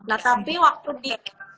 nah tapi waktu di